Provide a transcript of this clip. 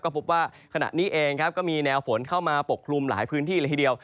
พบว่าขณะนี้เองครับก็มีแนวฝนเข้ามาปกคลุมหลายพื้นที่เลยทีเดียว